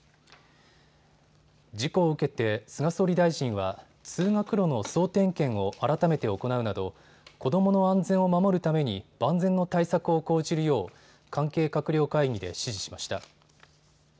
事故を受けて菅総理大臣は通学路の総点検を改めて行うなど子どもの安全を守るために万全の対策を講じるよう関係閣僚会議で指示しました。